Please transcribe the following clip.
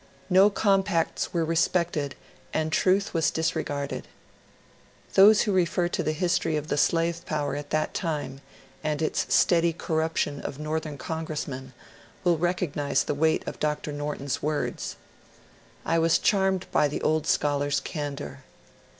No compacts were respected and truth was disregarded. Those who refer to the history of the slave power at that time, THE LEGEND OF PLYMOUTH ROCK 161 and its steady corruption of Northern congressmen, will recog nize the weight of Dr. Norton's words. I was charmed by the old scholar's candour.